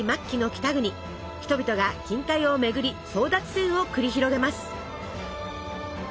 人々が金塊を巡り争奪戦を繰り広げます。